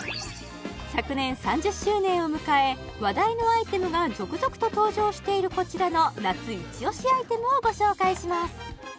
昨年３０周年を迎え話題のアイテムが続々と登場しているこちらの夏イチオシアイテムをご紹介します